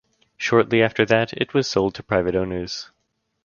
Shortly after that it was sold to private owners.